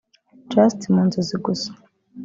just mu nzozi gusa